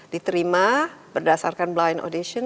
diterima berdasarkan blind audition